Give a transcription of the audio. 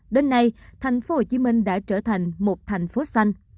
đến nay thành phố hồ chí minh đã trở thành một thành phố xanh